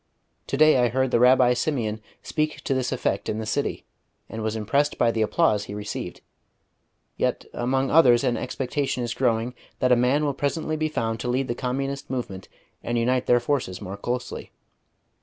To day I heard the Rabbi Simeon speak to this effect in the City, and was impressed by the applause he received.... Yet among others an expectation is growing that a man will presently be found to lead the Communist movement and unite their forces more closely.